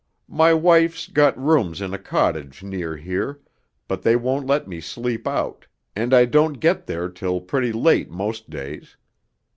My wife's got rooms in a cottage near here, but they won't let me sleep out, and I don't get there till pretty late most days....